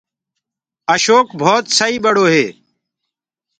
اشوڪ ڀوت سُڪو ٻڙو هي۔